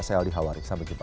saya aldi hawari sampai jumpa